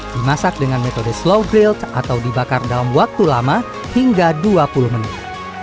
dimasak dengan metode slow grild atau dibakar dalam waktu lama hingga dua puluh menit